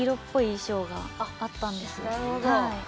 なるほど。